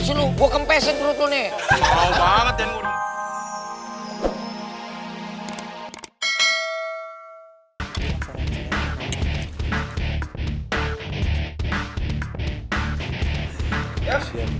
sih lu gue kempesin berhutunya